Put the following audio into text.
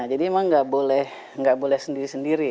jadi memang tidak boleh sendiri sendiri